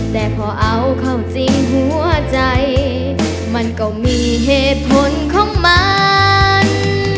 แต่พอเอาเข้าจริงหัวใจมันก็มีเหตุผลของมัน